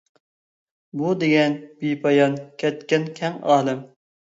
بۇ دېگەن بىپايان كەتكەن كەڭ ئالەم.